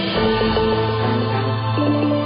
ชาวเมือง